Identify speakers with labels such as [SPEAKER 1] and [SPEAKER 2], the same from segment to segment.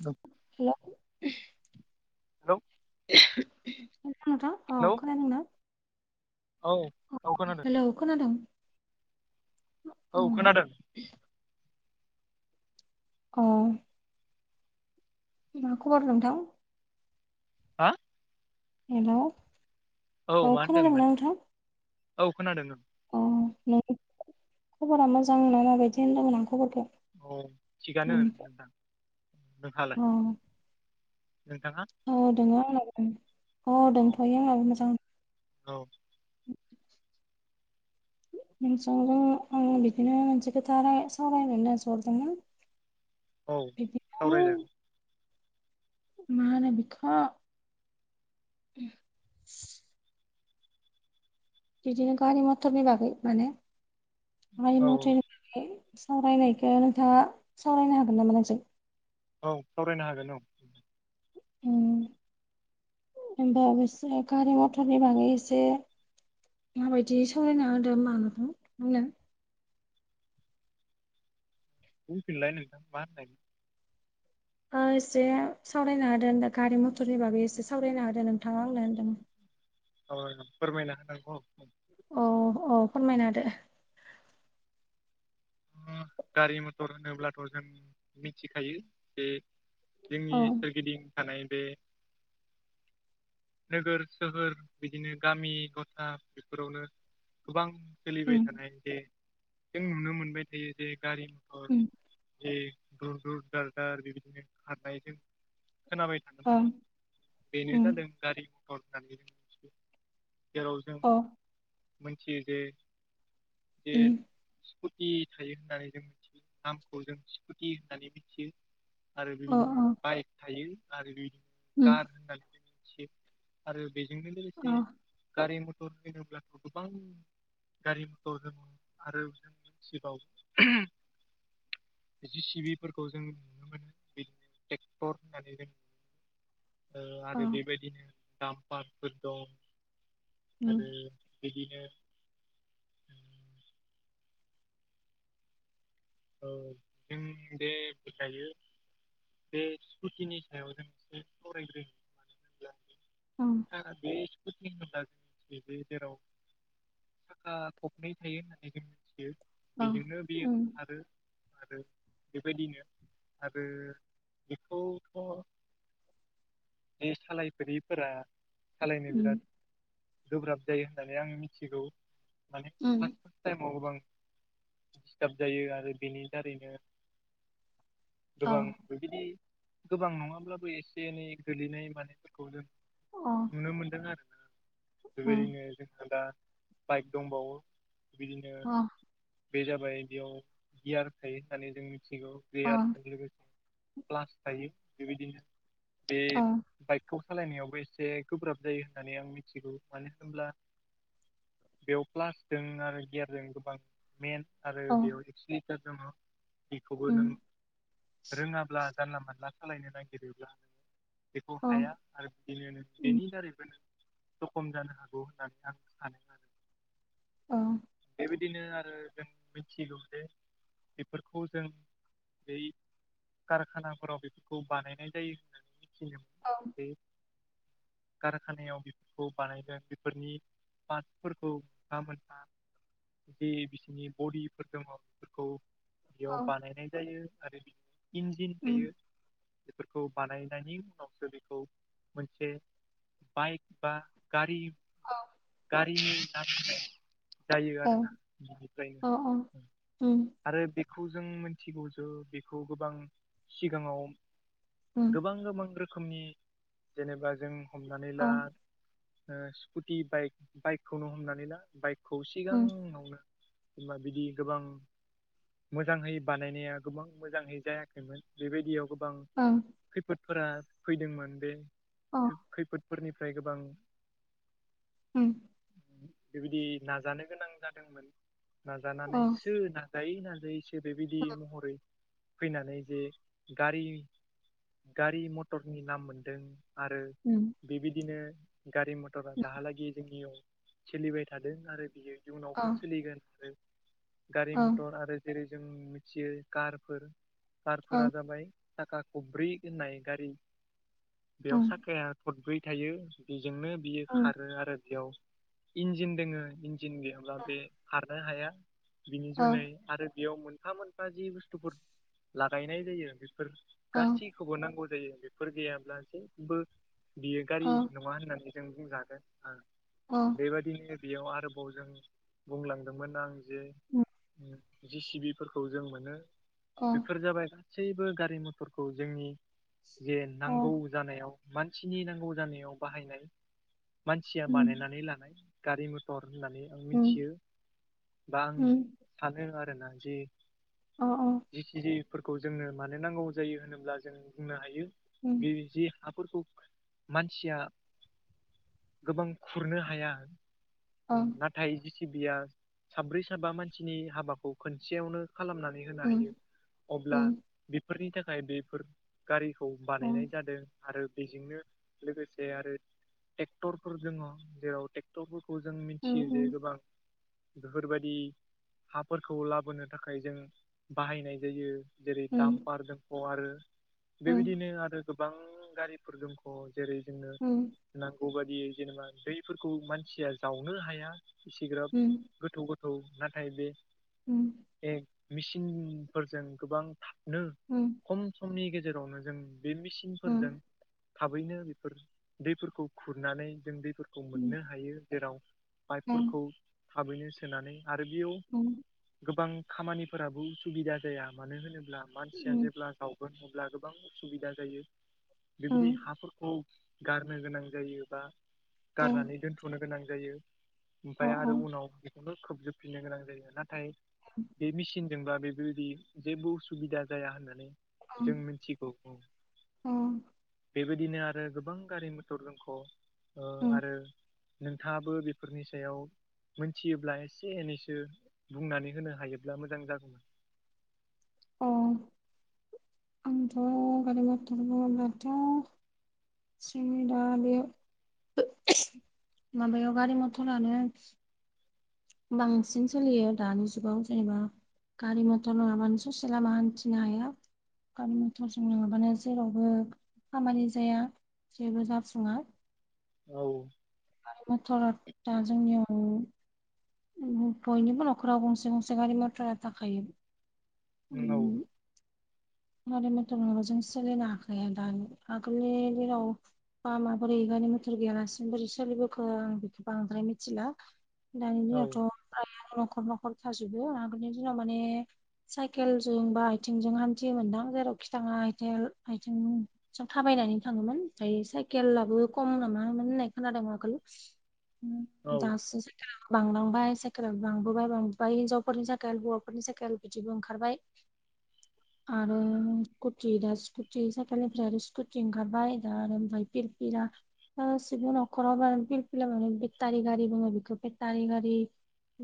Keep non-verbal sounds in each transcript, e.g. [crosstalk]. [SPEAKER 1] [inaudible]
[SPEAKER 2] हेल'
[SPEAKER 1] hello
[SPEAKER 2] [inaudible] खोननोथ' औ खोनादोंनो
[SPEAKER 1] औ औ खोनादों
[SPEAKER 2] हेल' खोनादों।
[SPEAKER 1] औ खोनादों
[SPEAKER 2] बे अ मा खबर नोंथां?
[SPEAKER 1] हा
[SPEAKER 2] हेलौ
[SPEAKER 1] औ मा होनदोंमोन? औ खोनादों औ।
[SPEAKER 2] अ नों खबरा मोजां ना माबायदि होनदोंदोंमोन आं खबरखौ।
[SPEAKER 1] औ थिगानो
[SPEAKER 2] नोंनिखौ
[SPEAKER 1] नोंथां नोंहालाय
[SPEAKER 2] अ
[SPEAKER 1] नोंथाङा
[SPEAKER 2] औ दङो आंबो दङो। औ दंथ'यो आंहाबो मोजां
[SPEAKER 1] औ
[SPEAKER 2] नोंदों आं बिदिनो मोनसे खोथा सावरायनो होननानैसो हरदोंमोन।
[SPEAKER 1] औ
[SPEAKER 2] बिदिनो
[SPEAKER 1] सावरायजागोन।
[SPEAKER 2] मा होनो बिखो बिदिनो गारि मथरनि बागै माने गारि
[SPEAKER 1] औ
[SPEAKER 2] मथर सावरायनायखौ नोंथाङा सावरायनो हागोन नामा नोंजों?
[SPEAKER 1] औ सावरायनो हागोन औ।
[SPEAKER 2] ओम ओमबा अबसे गारि मथरनि बागै एसे माबायदि सावरायना होदों मा नोंथां आंनो
[SPEAKER 1] बुंफिनलाय नोंथां मा होननाय?
[SPEAKER 2] [unintelligible] एसे सावरायनो हादों [unintelligible] मथरनि बागै एसे सावरायनो हादों नोंथाङा आंनो होनदों।
[SPEAKER 1] [unintelligible] फोरमायना होनांगौ।
[SPEAKER 2] अ अ फोरमायना होदो।
[SPEAKER 1] गारि मथर होनोब्लाथ' जों मिथिखायो जे जोंनि
[SPEAKER 2] अ
[SPEAKER 1] सोरगिदिं थानाय बे नोगोर सोहोर बिदिनो गामि गथा बेफोरावनो गोबां सोलिबाय
[SPEAKER 2] उम
[SPEAKER 1] थानाय जे जों नुनो मोनबाय जे जे गारि मथर
[SPEAKER 2] उम
[SPEAKER 1] जे दुर दुर दार दार बेबायदिनो खारनायजों खोनाबाय थानो
[SPEAKER 2] अ
[SPEAKER 1] मोनदों बेनो
[SPEAKER 2] उम
[SPEAKER 1] जादों गारि मथर होननानै जेराव जों
[SPEAKER 2] अ
[SPEAKER 1] मिथियो जे जे
[SPEAKER 2] उम
[SPEAKER 1] स्कुटि थायो होननानै जों मिथियो नामखौ जों स्कुटि होननानै मिथियो। आरो
[SPEAKER 2] अ
[SPEAKER 1] बेबायदिनो बाइक थायो आरो बेबायदिनो कार होननानै मिथियो। आरो बेजोंनो लोगोसे गारि मथर होनोब्लाथ' गोबां गारि मथर दङ आरो जोंनि सिबाव जि सिबिफोरखौ जों नुनो मोनो बिदिनो ट्रेक्टर होननानै [unintelligible] आरो बेबायदिनो डामपारफोर दं
[SPEAKER 2] उम
[SPEAKER 1] आरो बिदिनो ओ जों दे [unintelligible] बे स्कुटिनि सायाव जों एसे सावरायग्रोनि नङा होनब्ला
[SPEAKER 2] औ।
[SPEAKER 1] [unintelligible] साखा खबनै थायो होननानै जों मिथियो
[SPEAKER 2] अ
[SPEAKER 1] बेजोंनो बेयो
[SPEAKER 2] उम
[SPEAKER 1] आरो आरो बेबायदिनो आरो बेखौथ बे सालायफेरिफोरा सालायनो
[SPEAKER 2] अ उम
[SPEAKER 1] बिराद गोब्राब जायो होननानै आं मिथिगौ माने
[SPEAKER 2] उम
[SPEAKER 1] फार्ट टाइमाव गोबां दिस्टार्ब जायो आरो बेनि दारैनो
[SPEAKER 2] अ
[SPEAKER 1] गोबां [unintelligible] गोबां नङाब्लाबो एसे एनै गोलैनाय मानायफोरखौ जों
[SPEAKER 2] अ
[SPEAKER 1] नुनो मोनदों आरोना।
[SPEAKER 2] उम
[SPEAKER 1] बेबायदिनो जोंहा दा बाइक दंबावो बेबायदिनो
[SPEAKER 2] अ
[SPEAKER 1] बे जाबाय बेयाव गियार थायो होननानै जों मिथिगौ
[SPEAKER 2] अ
[SPEAKER 1] गियारजों लोगोसे प्लास थायो बेबायदिनो बे
[SPEAKER 2] अ
[SPEAKER 1] बाइकखौ सालायनायावबो एसे गोब्राब जायो होननानै आं मिथिगौ मानो होनब्ला बेयाव प्लासजों आरो गियारजों गोबां मेन आरो बेयाव एक्स' लिटार दङ बेखौबो
[SPEAKER 2] उम
[SPEAKER 1] नों रोङाब्ला जानला मानला सालायनो नागिरोब्ला बेखौ
[SPEAKER 2] अ
[SPEAKER 1] हाया। आरो बिदि
[SPEAKER 2] उम
[SPEAKER 1] बेनि दारैबोनो जखम जानो हागौ होननानै आं सानो आरो।
[SPEAKER 2] औ।
[SPEAKER 1] बेबायदिनो आरो जों मिथिगौ जे बेफोरखौ जों बै कारखानाफोराव बेफोरखौ बानायनाय जायो
[SPEAKER 2] अ
[SPEAKER 1] होननानै [unintelligible] कारखानायाव बेफोरखौ बानायदों बेफोरनि [unintelligible] जे बिसोरनि बडिफोर दङ बेफोरखौ बेयाव
[SPEAKER 2] अ
[SPEAKER 1] बानायनाय जायो आरो बि इन्जिन
[SPEAKER 2] उम
[SPEAKER 1] थायो बेफोरखौ बानायनायनि उनावसो बेखौ मोनसे बाइक बा गारि
[SPEAKER 2] औ।
[SPEAKER 1] गारिनि नार जायो
[SPEAKER 2] अ
[SPEAKER 1] आरोना
[SPEAKER 2] अ
[SPEAKER 1] बिनिफ्रायनो आरो बेखौ जों मिथिगौ ज बेखौ गोबां सिगाङाव गोबां गोबां रोखोमनि जेनेबा जों हमनानै ला ओ स्कुटि बाइक बाइकखौनो हमनानै ला बाइकखौ सिगाङावनो सोरबा बिदि गोबां मोजांहै बानायनाया गोबां मोजाङै जायाखैमोन बेबायदियाव गोबां
[SPEAKER 2] ओं
[SPEAKER 1] खैफोदफोरा फैदोंमोन बे खैफोदफोरनिफ्राय गोबां
[SPEAKER 2] उम
[SPEAKER 1] बेबायदि नाजानो गोनां जादोंमोन नाजानानैसो न जायो नाजायोसो बेबायदि महरै फैनानै जे गारि गारि मटरनि नाम मोनदों आरो
[SPEAKER 2] उम
[SPEAKER 1] बेबायदिनो गारि मथरा दाहालागै जोंनियाव सोलिबाय थादों आरो बियो इउनावबो सोलिगोन आरो गारि मथर आरो जेरै जों मिथियो कारफोर कारफोरा जाबाय साखा खबब्रै होननाय गारि बेयाव साखाया खदब्रै थायो बेजोंनो बियो खारो आरो बेयाव इन्जिन दोङो इन्जिन गैयाब्ला बे खार हाया बिनि जुनै आरो बेयाव मोनफा मोन जि बुस्थुफोर लागायनाय जायो बेफोर गासै खौबो नांगौ जायो बेफोर गैयाब्ला जेबो बियो गारि नङा होननानै जों बुंजागोन ओ
[SPEAKER 2] अ
[SPEAKER 1] बेबायदिनो बेयाव आरोबाव जों बुंलांदोंमोन आं जे जिसिबिफोरखौ जों मोनो बेफोर जाबाय दा गासैबो गारि मथरखौ जोंनि जे नांगौ जानायाव मानसिनि नांगौ जानायाव बाहायनाय मानसिया बानायनानै लानाय गारि मथर होननानै आं मिथियो बा आं सानो आरोना जे जिखि ज फोरफोरखौ जोंनो मानो नांगौ जायो होनोब्ला जों बुंनो हायो बे जे हाफोरखौ मानसिया गोबां खुरनो हाया नाथाय जिटिबिआ साब्रै साबा मानसिनि हाबाखौ खनसेयावनो खालामनानै होनो हायो अब्ला बेफोरनि थाखाय बेफोर गारिखौ बानायनाय जादों आरो बेजोंनो लोगोसे आरो ट्रेक्टरफोर दङ जेराव ट्रेक्टर जों मिथियो जे गोबां बेफोरबायदि हाफोरखौ लाबोनो थाखाय जों बाहायनाय जायो जेरै दामपार जखौ आरो बेबायदिनो आरो गोबां गारिफोरजों अ जेरै जोंनो नांगौ बादियै जेनेबा दैफोरखौ मानसिया जावनो हाया इसिग्राब गोथौ गोथौ नाथाय बे
[SPEAKER 2] उम
[SPEAKER 1] ए मेचिनफोरजों गोबां थाबनो
[SPEAKER 2] उम
[SPEAKER 1] खम समनि गेजेरावनो जों बे मेसिनफोरजों थाबैनो बेफोर दैफोरखौ खुरनानै जों दैफोरखौ मोननो हायो जेराव बाइकफोरखौ थाबैनो सोनानै आरो बेयाव गोबां खामानिफोराबो उसुबिदा जाया मानो होनोब्ला मानसिया जेब्ला गावगोन अब्ला गोबां उसुबिदा जायो बेबायदि हाफोरखौ गारनो गोनां जायो बा गारनानै दोनथनो गोनां जायो ओमफ्राय आरो उनाव बेखौनो खोबजोबफिननो गोनां जायो नाथाय बे मेसिन जेनेबा बेफोरबायदि जेबो उसुबिदा जाया होननानै जों मिथिगौ औ बेबायदिनो आरो गोबां गारि मथर दोंख' ओ आरो नोंथांवाबो बेफोरनि सायाव मोनथियोब्ला एसे एनैसो बुंनानै होनो हायोब्ला मोजां जागौमोन।
[SPEAKER 2] अ आंथ' गारि मथरबो माथो स द बे [inaudible] माबायाव गारि मथरानो बांसिन सोलियो दानि जुगाव जेनेबा गारि मथर नंयाबानो ससे लामा हान्थिनो हाया। गामि मथरजों नङाबानो जेरावबो खामानि जाया जेबो जाफुङा।
[SPEAKER 1] औ।
[SPEAKER 2] आरो मथरा दा जोंनियाव बयनिबो न'खराव गंसे गंसे गारि मटरा थाखायो।
[SPEAKER 1] नोंगौ [inaudible]
[SPEAKER 2] गारि मथर नंयाब्ला' जों सोलिनो हाखाया दा आगोलनि दिनाव बा माबोरै गानि मथर गैयालासिनो बोरै सोलिबोखो आं बेखौ बांद्राय मिथिला। दानि
[SPEAKER 1] औ
[SPEAKER 2] दिनावथ' न'खर न'खर थाजोबो। आगोलनि दिनाव माने साइकेलजों बा आथिंजों हान मोनदां जेराव खिथाङा आथेल आथिं जों थाबायनानै थाङोमोन। ओमफ्राय साइकेलाबो खम नामामोन होननाय खोनादों आगोलाव
[SPEAKER 1] औ
[SPEAKER 2] दासो सेल बांलांबाय साइकेल बांबोबाय बांबोबाय हिनजावफोरनि साइखेल हौवाफोरनि साइकेल बिदिबो ओंखारबाय आरो स्कुटि दा स्कुटि साइकेलनिफ्राय आरो स्कुटि ओंखारबाय दा आरो ओमफ्राय फिरफिरा गासिबो नखराव मा फिरला माने बेटारि गारि बङो बेखौ बेटारि गारि।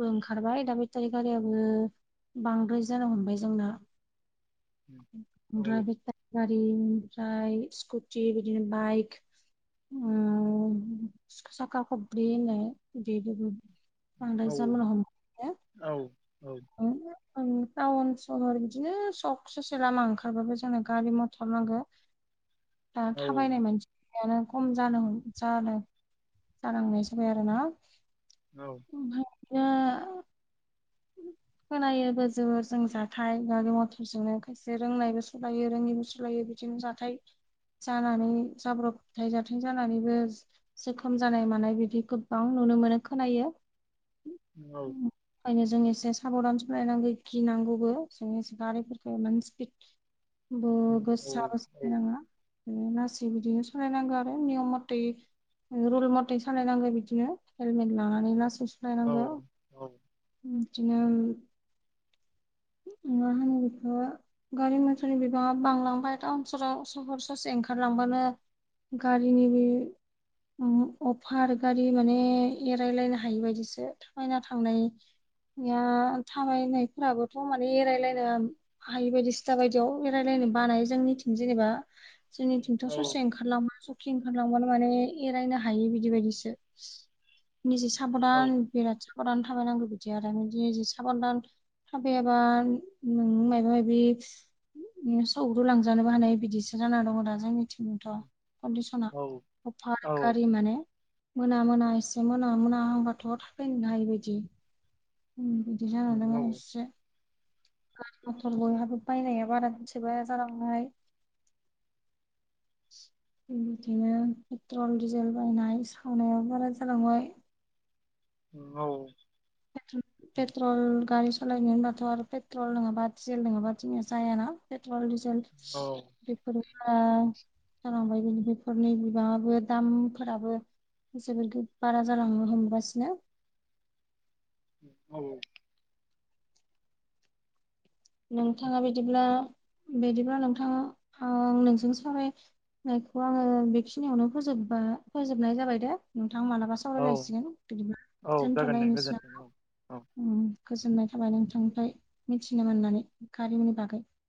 [SPEAKER 2] बो ओंखारबाय दा बेटारि गारियाबो बांद्राय जानो हमबाय जोंना। ओमफ्राय
[SPEAKER 1] औ
[SPEAKER 2] बेटारि गारि ओमफ्राय स्कुटि बिदिनो बाइक साखा खबब्रै होननाय बेदिबो
[SPEAKER 1] औ औ औ औ।
[SPEAKER 2] अ [inaudible] टाउन सहर बिदिनो सख ससे लामा ओंखारबाबो जोंनो गारि मथर नांगौ। [inaudible] दा
[SPEAKER 1] औ
[SPEAKER 2] थाबायनाय मानसि यानो खम जानो जानो जानांनायजाबाय आरो ना
[SPEAKER 1] औ।
[SPEAKER 2] मा [inaudible] उ [unintelligible] खोनायोबो जोबोर जों जाथाय गारि मथरजोंनो खायसे रोंनायबो सालायो रोङिबो सालायो बिदिनो जाथाय जानानै जाब्रबथाय जाथाय जानानैबो जोखोम जानाय मानाय बिदि बां नुनो मोनो खोनायो
[SPEAKER 1] औ।
[SPEAKER 2] ओखायनो जों एसे साबधान सोलायनांगौ गिनांगौबो जों एसे गारिफोरखौ माने स्पिड ब गोसाबो
[SPEAKER 1] उम
[SPEAKER 2] माने लासै बिदिनो सालायनांगौ आरो नियम मथे रुल मथे सालायनांगौ बिदिनो हेलमेट लानानै लासै सालायनांगौ। बिदिनो मा होनोखौ? गारि मथरनि बिबाङा बांलांबाय टाउन सहाव सहर ससे ओंखारलांबानो गारिनि बे अफार गारि माने एरायलायनो हायि बायदिसो थाबायना थांनाय निया थाबायनायफोराबो थ माने एरायलायनो हायि बायदि दा बायदियाव एरायलायनो बानाय जोंनिथिं जेनेबा जोंनिथिंथ
[SPEAKER 1] औ
[SPEAKER 2] ससे ओंखारलांबा सखि ओंखारलांबानो माने एरायनो हायो बिदि बायदिसो निजे साबधान बिराद साबधान थाबायनांगौ बिदि आरो निजे साबधान थाबायाबा नों मायबा मायबि सौदुलांजानोबो हानाय बिदिसो जाना दङ दा जोंनिथिं थ कन्दिसना अभार गारि माने मोना मोना एसे मोना मोना होनबाथ' थाबैनोनो हायिबायदि अम बिदिनो जानानै दङ एसे गारि मथल बयहाबो बायनाया बारानि साय बारा जालांहाय [inaudible] बिदिनो पेट्रल डिजेल बायनाय सावनायाव बारा जालांबाय।
[SPEAKER 1] औ
[SPEAKER 2] पेट्रल गारि सलायनो होनबाथ' आरो पेट्रल नङाबा डिजेल नङाबा जोंङो जायाना पेट्रल डिजेल बेफोरो बारा जालांबाय बिनि बेफोरनि बिबाङाबो दामफोराबो जोबोद बारा जालांनो हमगासिनो।
[SPEAKER 1] औ
[SPEAKER 2] नोंथाङा बिदिब्ला बिदिब्ला नोंथाङा ओ नोंजों सावराय नायखौ आङो बेखिनियावनो फोजोबबाय फोजोबनाय जाबाय दे नोंथां मालाबा
[SPEAKER 1] औ
[SPEAKER 2] सावरायलायसिगोन बिदिन
[SPEAKER 1] औ जागोन दे
[SPEAKER 2] दोनथलायनोसै ना।
[SPEAKER 1] गोजोन्थों औ औ
[SPEAKER 2] अम गोजोननाय थाबाय नोंथांनिफ्राय मिथिनो मोननानै गारिनि बागै